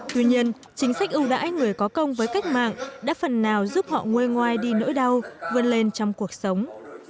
tuy nhiên chính sách ưu đãi người có công với cách mạng đã phần nào giúp họ nguôi ngoai đi nỗi đau vươn lên trong cuộc sống